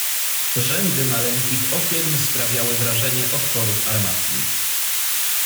"Rzędy maleńkich okien sprawiały wrażenie otworów armatnich."